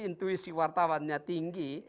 intuisi wartawannya tinggi